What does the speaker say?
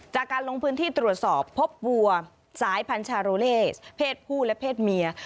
จากการลงพื้นที่ตรวจสอบพบวัวสายพันชาโรเลสเพศผู้และเพศเมีย